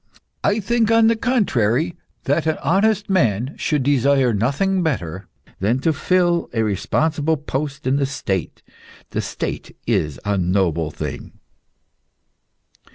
I think, on the contrary, that an honest man should desire nothing better than to fill a responsible post in the State. The State is a noble thing."